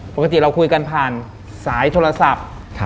ปกติเราคุยกันผ่านสายโทรศัพท์